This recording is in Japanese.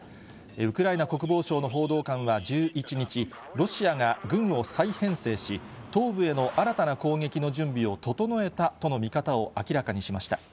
ウクライナ国防省の報道官は１１日、ロシアが軍を再編成し、東部への新たな攻撃の準備を整えたとの見方を明らかにしました。